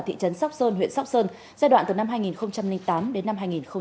thị trấn sóc sơn huyện sóc sơn giai đoạn từ năm hai nghìn tám đến năm hai nghìn một mươi